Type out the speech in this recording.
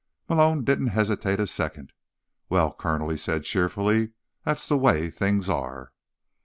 Malone didn't hesitate a second. "Well, Colonel," he said cheerfully, "that's the way things are."